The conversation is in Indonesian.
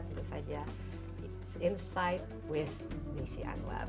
tunggu saja insight with desya anwar